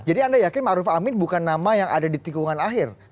jadi anda yakin ma'ruf amin bukan nama yang ada di tikungan akhir